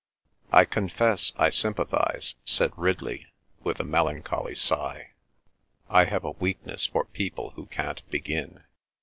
"I confess I sympathise," said Ridley with a melancholy sigh. "I have a weakness for people who can't begin."